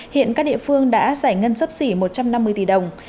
hiện các địa phương đã giải ngân sấp xỉ một trăm năm mươi tỷ đồng